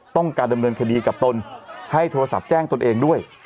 ต้องการดำเนินคดีกับตนให้โทรศัพท์แจ้งตนเองด้วย